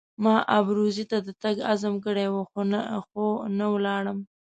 ما ابروزي ته د تګ عزم کړی وو خو نه ولاړم.